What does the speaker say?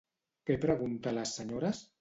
Què pregunta a les senyores?